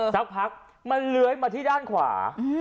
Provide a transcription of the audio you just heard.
สักพักมันเลื้อยมาที่ด้านขวา